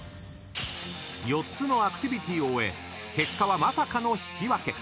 ［４つのアクティビティを終え結果はまさかの引き分け］